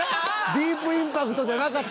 ディープインパクトじゃなかった。